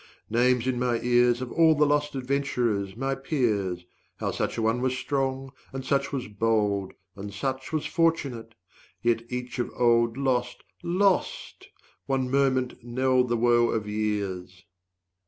Names in my ears Of all the lost adventurers my peers 195 How such a one was strong, and such was bold, And such was fortunate, yet each of old Lost, lost! one moment knelled the woe of years.